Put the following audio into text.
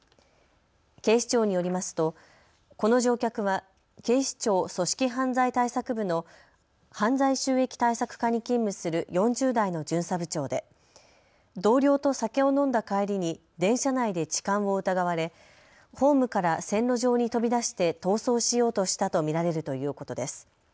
警視庁によりますと、この乗客は警視庁組織犯罪対策部の犯罪収益対策課に勤務する４０代の巡査部長で同僚と酒を飲んだ帰りに電車内で痴漢を疑われホームから線路上に飛び出して逃走しようとしたと見られるということです。